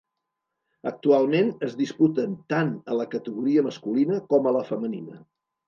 Actualment es disputen tant a la categoria masculina com a la femenina.